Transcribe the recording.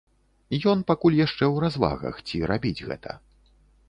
Ён пакуль яшчэ ў развагах, ці рабіць гэта.